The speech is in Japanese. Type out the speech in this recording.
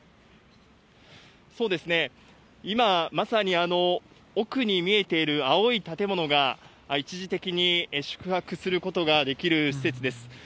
そうですね、今まさに、奥に見えてる青い建物が、一時的に宿泊することができる施設です。